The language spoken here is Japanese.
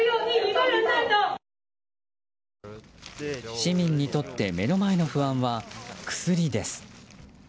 市民にとって目の前の不安は薬です。